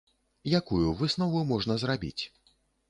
Якую выснову можна зрабіць?